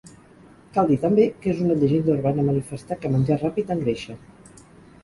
Cal dir també que és una llegenda urbana manifestar que menjar ràpid engreixa.